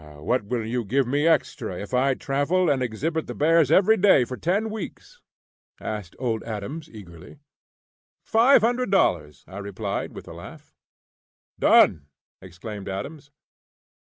"What will you give me extra if I will travel and exhibit the bears every day for ten weeks?" asked old Adams, eagerly. "Five hundred dollars," I replied, with a laugh. "Done!" exclaimed Adams.